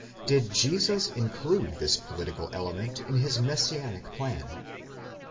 Did Jesus include this political element in his messianic plan ?